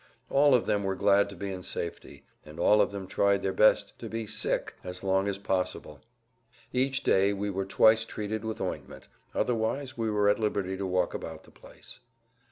All of them were glad to be in safety, and all of them tried their best to be "sick" as long as possible. Each day we were twice treated with ointment; otherwise we were at liberty to walk about the place.